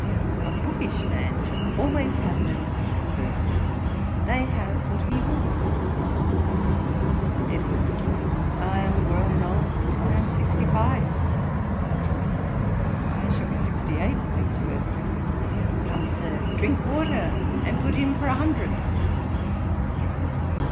A bookish man should always have them to converse with. They have what he wants.' EDWARDS. 'I am grown old: I am sixty five.' JOHNSON. 'I shall be sixty eight next birth day. Come, Sir, drink water, and put in for a hundred.'